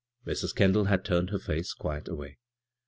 Mrs. Kendall had turned her face quite away.